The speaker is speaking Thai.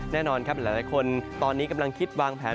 แน่นอนครับหลายคนตอนนี้กำลังคิดวางแผน